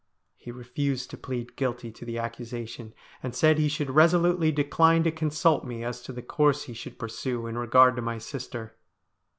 He refused to plead guilty to the accusation, and said he should resolutely decline to consult me as to the course he should pursue in regard to my sister.